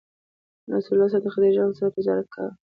رسول الله ﷺ د خدیجې رض سره تجارت کاوه.